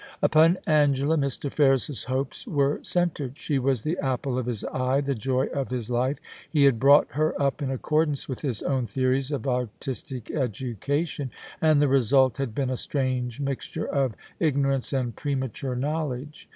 Upon Angela Mr. Ferris's hopes were centred She was the apple of his eye, the joy of his life. He had brought her up in accordance with his own theories of artistic edu cation, and the result had been a strange mixture of ignor ance and premature knowledge.